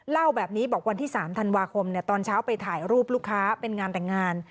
เล่าแบบนี้บอกวันที่๓ธันวาคมตอนเช้าไปถ่ายรูปลูกค้าเป็นงานแต่งงาน